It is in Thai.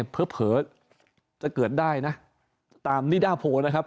เผลอจะเกิดได้นะตามนิด้าโพลนะครับ